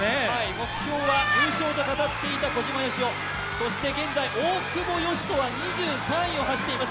目標は優勝と語っていた小島よしお、大久保嘉人は２３位を走っています。